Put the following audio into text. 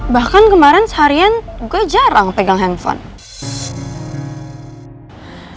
bahkan kemarin seharian juga jarang pegang handphone